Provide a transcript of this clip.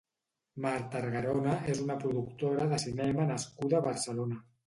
Mar Targarona és una productora de cinema nascuda a Barcelona.